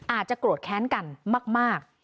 อาจจะโกรธแค้นกันมาก